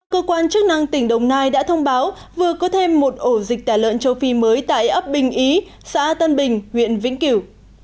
cơ quan chức năng tỉnh đồng nai đã thông báo vừa có thêm một ổ dịch tả lợn châu phi mới tại ấp bình ý xã tân bình huyện vĩnh kiểu